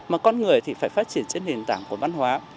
mà con người thì phải phát triển trên nền tảng của văn hóa